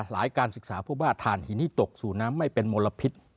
การศึกษาผู้ว่าทานหินที่ตกสู่น้ำไม่เป็นมลพิษ